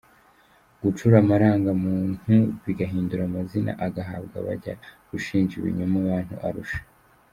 Gucura amarangamuntu bagahindura amazina agahabwa abajya gushinja ibinyoma abantu Arusha